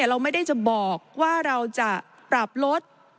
เราไม่ได้จะบอกว่าเราจะปรับลด